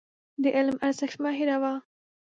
د علم ارزښت مه هېروه.